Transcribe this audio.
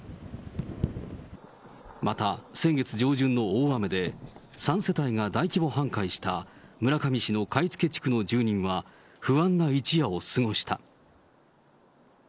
また先月上旬の大雨で、３世帯が大規模半壊した村上市の貝附地区の住人は不安な一夜を過ごした。